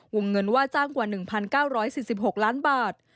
วงเงินว่าจ้างกว่า๑๙๔๖ล้านบาท